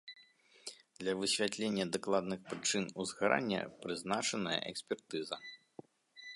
Для высвятлення дакладных прычын узгарання прызначаная экспертыза.